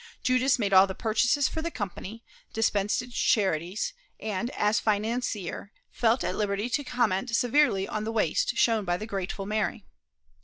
Judas made all the purchases for the company, dispensed its charities, and, as financier, felt at liberty to comment severely on the "waste" shown by the grateful Mary.